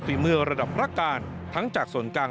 เมื่อระดับพระการทั้งจากส่วนกลาง